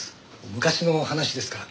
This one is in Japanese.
昔の話ですから。